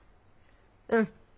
うん。